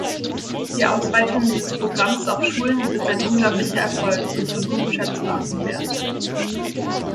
Die Ausweitung dieses Programms auf Schulen ist ein unglaublicher Erfolg und von unschätzbarem Wert.